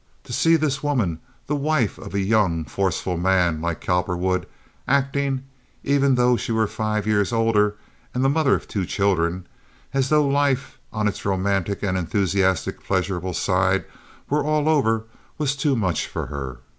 To see this woman, the wife of a young, forceful man like Cowperwood, acting, even though she were five years older and the mother of two children, as though life on its romantic and enthusiastic pleasurable side were all over was too much for her.